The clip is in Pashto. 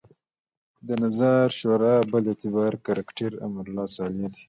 د نظار شورا بل اعتباري کرکټر امرالله صالح دی.